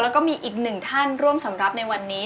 แล้วก็มีอีกหนึ่งท่านร่วมสำหรับในวันนี้